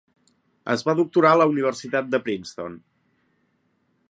Es va doctorar a la universitat de Princeton.